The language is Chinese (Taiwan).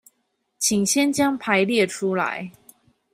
請先將排列出來